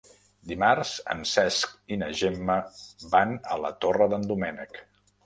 Dimarts en Cesc i na Gemma van a la Torre d'en Doménec.